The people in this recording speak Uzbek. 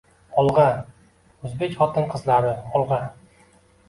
Olg‘a, o‘zbek xotin-qizlari, olg‘a!